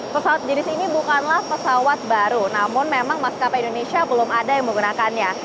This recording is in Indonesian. pesawat jenis ini bukanlah pesawat baru namun memang maskapai indonesia belum ada yang menggunakannya